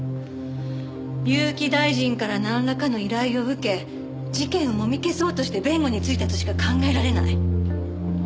結城大臣からなんらかの依頼を受け事件をもみ消そうとして弁護についたとしか考えられない。